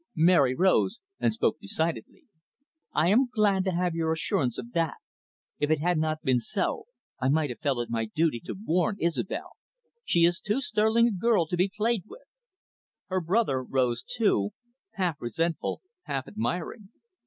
Mary rose and spoke decidedly. "I am glad to have your assurance of that. If it had not been so, I might have felt it my duty to warn Isobel. She is too sterling a girl to be played with." Her brother rose too, half resentful, half admiring.